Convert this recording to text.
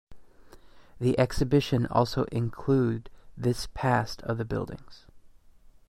The exhibition also include this past of the buildings.